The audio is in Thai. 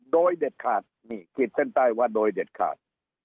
โดยเด็ดขาดนี่ขีดเส้นใต้ว่าโดยเด็ดขาด